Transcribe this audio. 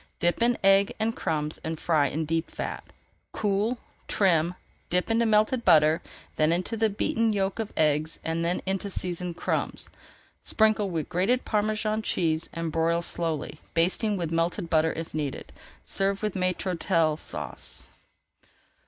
Dip in egg and crumbs and fry in deep fat. Cool, trim, dip into melted butter, then into the beaten yolks of eggs, then into seasoned crumbs. Sprinkle with grated Parmesan cheese and broil slowly, basting with melted butter if needed. Serve with Maître d'Hôtel Sauce.